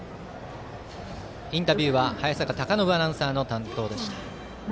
インタビューは早坂隆信アナウンサーでした。